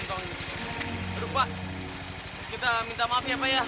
baru pak kita minta maaf ya pak ya